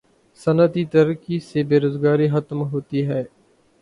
صنعتی ترقی سے بے روزگاری ختم ہوتی ہے